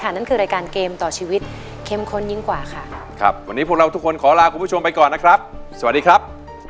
นั่นคือรายการเกมต่อชีวิตเข้มข้นยิ่งกว่าค่ะครับวันนี้พวกเราทุกคนขอลาคุณผู้ชมไปก่อนนะครับสวัสดีครับ